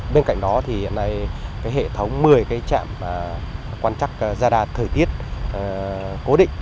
bên cạnh đó thì hiện nay hệ thống một mươi trạm quan trắc radar thời tiết cố định